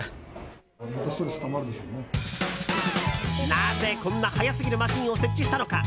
なぜ、こんな速すぎるマシンを設置したのか？